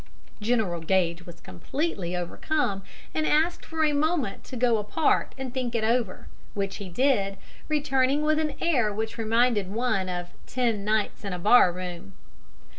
] General Gage was completely overcome, and asked for a moment to go apart and think it over, which he did, returning with an air which reminded one of "Ten Nights in a Bar Room."